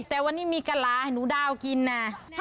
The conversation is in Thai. แต่วันนี้มีกะลาให้หนูดาวกินนะ